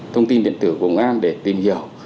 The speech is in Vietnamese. thông tin điện tử của bộng an để tìm hiểu